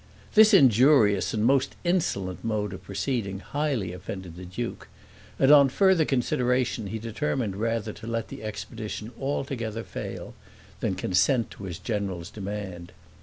This injurious and most insolent mode of proceeding highly offended the duke, and, on further consideration, he determined rather to let the expedition altogether fail, than consent to his general's demand.